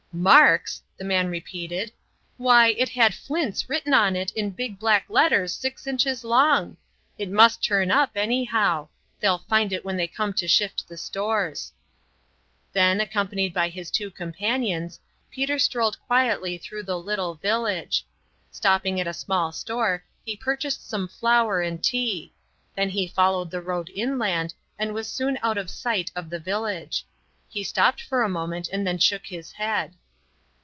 "Marks!" the man repeated. "Why, it had 'Flints' written on it in big black letters six inches long. It must turn up, anyhow. They'll find it when they come to shift the stores." Then, accompanied by his two companions, Peter strolled quietly through the little village. Stopping at a small store, he purchased some flour and tea; then he followed the road inland and was soon out of sight of the village; he stopped for a moment and then shook his head.